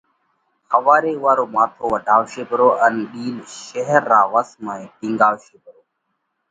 ۿواري اُوئا رو ماٿو واڍشي پرو ان ڏِيل شير را وس ۾ ٽِينڳاوَشي پرو.